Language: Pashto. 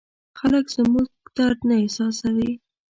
خلک زموږ درد نه احساسوي.